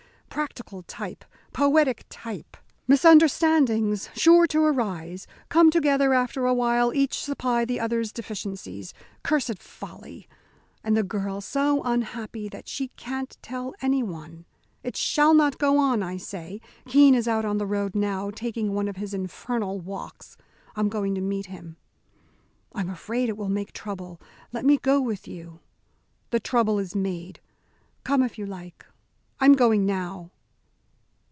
'Practical type poetic type misunderstandings sure to arise come together after a while each supply the other's deficiencies.' Cursed folly! And the girl so unhappy that she can't tell anyone. It shall not go on, I say. Keene is out on the road now, taking one of his infernal walks. I'm going to meet him." "I'm afraid it will make trouble. Let me go with you." "The trouble is made. Come if you like. I'm going now."